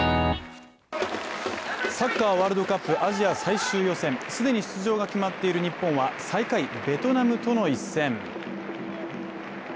サッカー・ワールドカップ・アジア最終予選既に出場が決まっている日本は最下位ベトナムとの１戦。